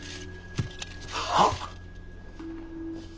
はっ。